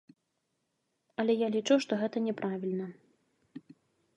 Але я лічу, што гэта няправільна.